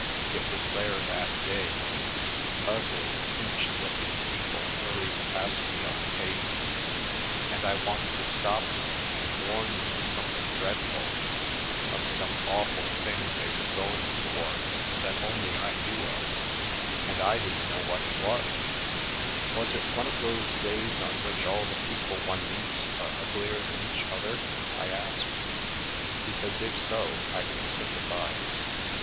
It was there that day. Ugly, pinched looking people hurried past me on the pavement, and I wanted to stop them and warn them of something dreadful — of some awful thing they were going towards that only I knew of, and I didn't know what it was "" Was it one of those days on which all the people one meets are uglier than each other?" I asked. "Because if so, I can sympathise.